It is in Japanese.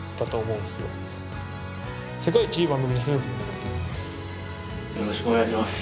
結果がよろしくお願いします。